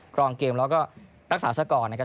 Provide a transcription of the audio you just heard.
รองเกมแล้วก็รักษาสกรนะครับ